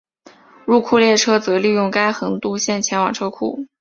入库列车则利用该横渡线前往车库。